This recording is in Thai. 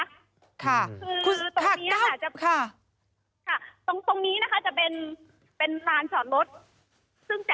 คือตรงนี้นะคะจะเป็นลานจอดรถ